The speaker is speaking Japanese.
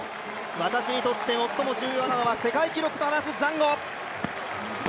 私にとって最も重要なのは世界記録を話すザンゴ。